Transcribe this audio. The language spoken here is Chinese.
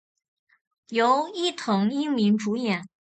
由伊藤英明主演。